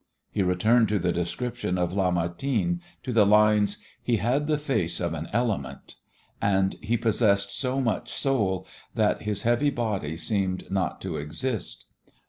He returned to the description of Lamartine, to the lines: "He had the face of an element," and "he possessed so much soul that his heavy body seemed not to exist."